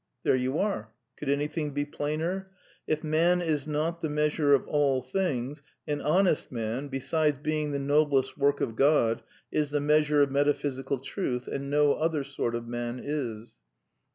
82 ^ There you are ; could anything be plainer ? If Man is^^V \ not the Measure of all things, an honest man, besides be ing the noblest work of God, is the measure of metaphysi cal truth — and no other sort of man is.